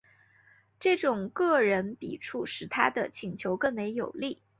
这种个人笔触使他的请求更为有力。